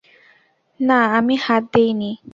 না, আমি হাত দিই নি।